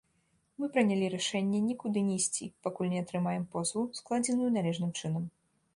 Мы прынялі рашэнне нікуды не ісці, пакуль не атрымаем позву, складзеную належным чынам.